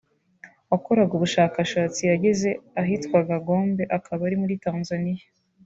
wakoraga ubushakashatsi yageze ahitwaga Gombe akaba ari muri Tanzaniya